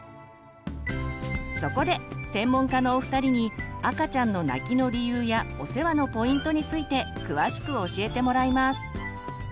そこで専門家のお二人に赤ちゃんの泣きの理由やお世話のポイントについて詳しく教えてもらいます。